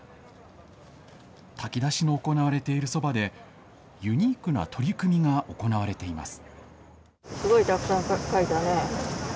炊き出しの行われているそばで、ユニークな取り組みが行われています。